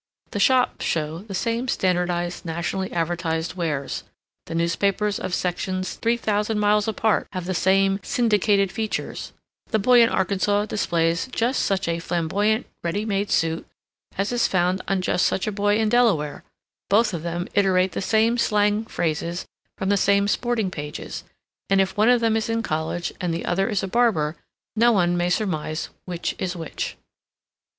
The shops show the same standardized, nationally advertised wares; the newspapers of sections three thousand miles apart have the same "syndicated features"; the boy in Arkansas displays just such a flamboyant ready made suit as is found on just such a boy in Delaware, both of them iterate the same slang phrases from the same sporting pages, and if one of them is in college and the other is a barber, no one may surmise which is which.